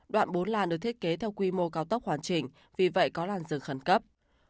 đoạn bốn làn được thiết kế theo quy mô cao tốc hoàn chỉnh vì vậy có làn rừng khẩn cấp